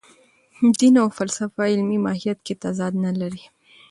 دین او فلسفه علمي ماهیت کې تضاد نه لري.